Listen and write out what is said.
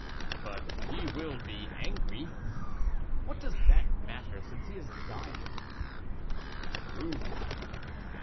"But he will be angry." "What does that matter, since he is dying?" "True."